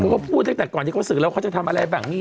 เขาก็พูดตั้งแต่ตอนที่เขาศึกแล้วทำอะไรแบบนี้